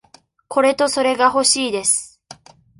これとそれがほしいです。